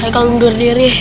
haikal mundur diri